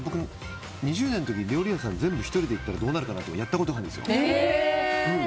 ２０代の時に料理屋屋さん全部１人で行ったらどうなるかなってやったことがあるんですよ。